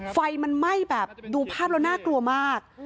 ไฟมันไหม้แบบดูภาพแล้วน่ากลัวมาก